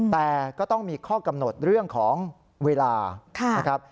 แต่ก็ต้องมีข้อกำหนดเรื่องของเวลานะครับ